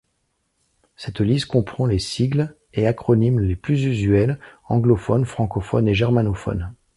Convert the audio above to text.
Cette liste comprend les sigles et acronymes les plus usuels, anglophones, francophones, et germanophones.